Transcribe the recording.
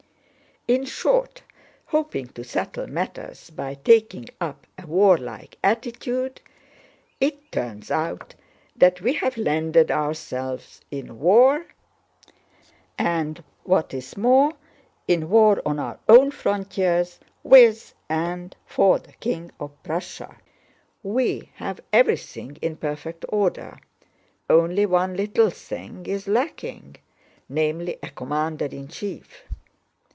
"In short, hoping to settle matters by taking up a warlike attitude, it turns out that we have landed ourselves in war, and what is more, in war on our own frontiers, with and for the King of Prussia. We have everything in perfect order, only one little thing is lacking, namely, a commander in chief.